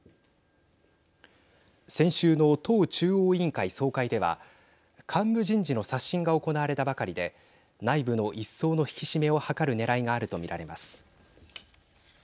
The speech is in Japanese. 先週の党中央委員会総会では幹部人事の刷新が行われたばかりで内部の一層の引き締めを図るねらいがあるとみられます。